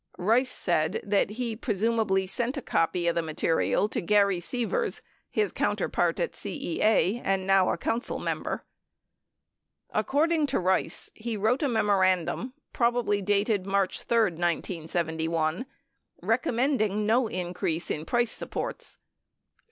Rice said that he presumably sent a copy of the material to Gary Seavers, his counterpart at CEA (and now a Council member). According to Rice, he wrote a memorandum, probably dated March 3, 1971, 20 recommending no increase in price supports.